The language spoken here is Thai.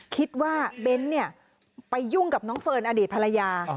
เบ้นไปยุ่งกับน้องเฟิร์นอดีตภรรยา